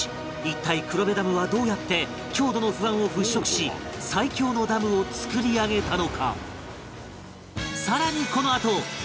一体黒部ダムはどうやって強度の不安を払拭し最強のダムを造り上げたのか？